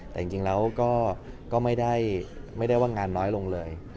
แต่จริงแล้วก็ไม่ได้ว่างานน้อยลงเลย